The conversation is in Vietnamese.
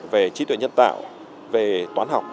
về trí tuệ nhân tạo về toán học